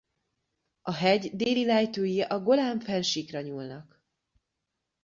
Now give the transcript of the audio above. A hegy déli lejtői a Golán-fennsíkra nyúlnak.